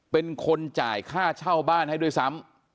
เป็นคนจ่ายค่าเช่าบ้านให้ด้วยซ้ำ